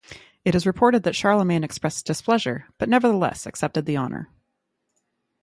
It is reported that Charlemagne expressed displeasure but nevertheless accepted the honour.